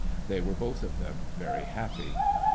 They were both of them very happy.